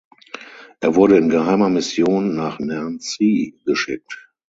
Er wurde in geheimer Mission nach Nancy geschickt.